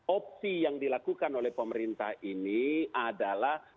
opsi yang dilakukan oleh pemerintah ini adalah